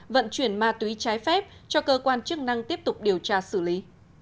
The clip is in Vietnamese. vận chuyển ma túy trái phép cho cơ quan chức năng tiếp tục điều tra xử lý